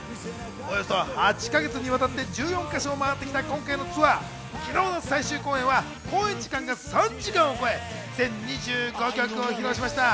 およそ８か月にわたって１４か所を回ってきた今回のツアー、昨日の最終公演は公演時間が３時間を超え、全２５曲を披露しました。